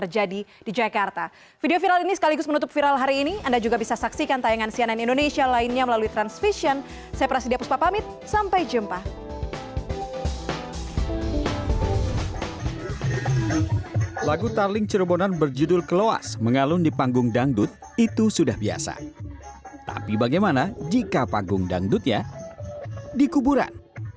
jika panggung dangdutnya dikuburan